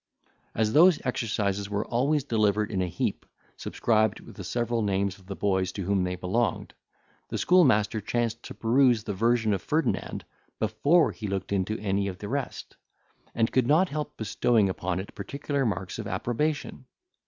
As those exercises were always delivered in a heap, subscribed with the several names of the boys to whom they belonged, the schoolmaster chanced to peruse the version of Ferdinand, before he looked into any of the rest, and could not help bestowing upon it particular marks of approbation.